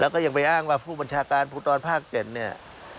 แล้วก็ยังไปอ้างว่าผู้บัญชาการภูทรภาค๗เนี่ย